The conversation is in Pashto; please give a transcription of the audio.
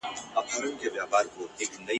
ډلي ډلي له هوا څخه راتللې !.